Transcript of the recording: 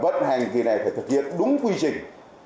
vận hành kỳ này phải thực hiện đúng quy trình